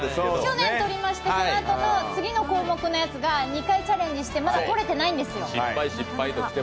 去年とりまして、そのあとの次の項目のやつが２回チャレンジして、まだ取れてないんですよ。